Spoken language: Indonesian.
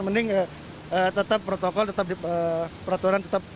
mending tetap protokol tetap peraturan tetap